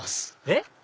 えっ？